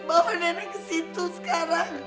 bawa nenek kesitu sekarang